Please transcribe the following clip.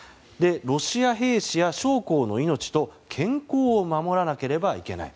ロシア兵士や将校の命と健康を守らなければいけない。